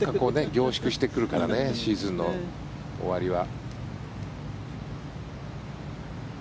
凝縮してくるからねシーズンの終わりは。